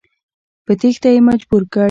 په تېښته یې مجبور کړ.